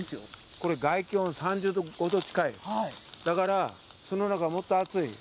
これ、外気温３５度近い、だから巣の中もっと暑い。